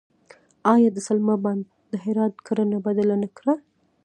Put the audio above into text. آیا د سلما بند د هرات کرنه بدله کړه؟